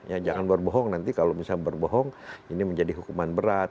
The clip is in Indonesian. ya jangan berbohong nanti kalau misalnya berbohong ini menjadi hukuman berat